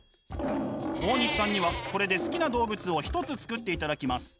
大西さんにはこれで好きな動物を１つ作っていただきます。